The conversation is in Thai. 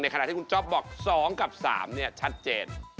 ขณะที่คุณจ๊อปบอก๒กับ๓ชัดเจน